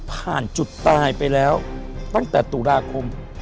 ผ่านจุดตายไปแล้วตั้งแต่ตุลาคม